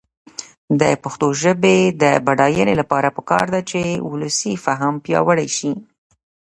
د پښتو ژبې د بډاینې لپاره پکار ده چې ولسي فهم پیاوړی شي.